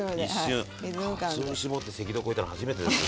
かつお節持って赤道越えたの始めてです。